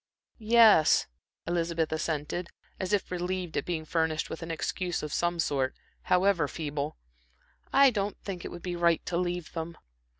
"Yes," Elizabeth assented, as if relieved at being furnished with an excuse of some sort, however feeble, "I don't think it would be right to leave them."